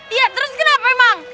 iya terus kenapa emang